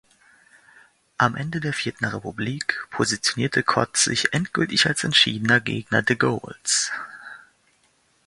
Am Ende der Vierten Republik positionierte Cot sich endgültig als entschiedener Gegner de Gaulles.